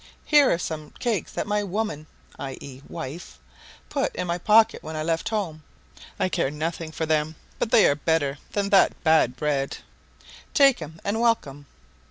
Here are some cakes that my woman (i.e. wife) put in my pocket when I left home; I care nothing for them, but they are better than that bad bread; take 'em, and welcome."